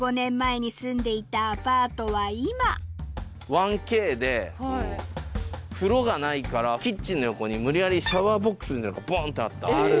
１Ｋで風呂がないからキッチンの横に無理やりシャワーボックスみたいのがボンってあった。